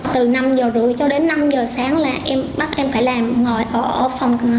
từ năm giờ rưỡi cho đến năm giờ sáng là em bắt em phải làm ngồi ở phòng